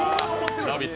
「ラヴィット！」